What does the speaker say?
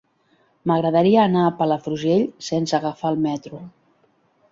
M'agradaria anar a Palafrugell sense agafar el metro.